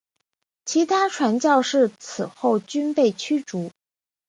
其他传教士此后均被驱逐。